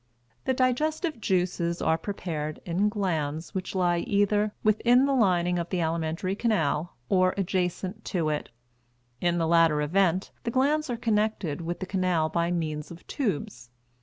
The digestive juices are prepared in glands which lie either within the lining of the alimentary canal or adjacent to it. In the latter event the glands are connected with the canal by means of tubes.